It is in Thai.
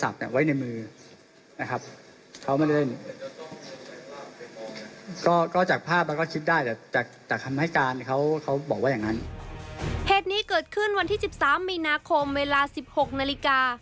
เหตุนี้เกิดขึ้นวันที่๑๓มีนาคมเวลา๑๖นาฬิกา